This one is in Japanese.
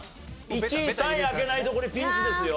１位３位開けないとこれピンチですよ。